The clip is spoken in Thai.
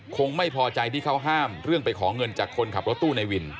คงไม่พอใจที่เขาห้ามเรื่องไปขอเงินจากคนขับรถตู้ในวิน